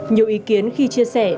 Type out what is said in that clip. nhiều ý kiến khi chia sẻ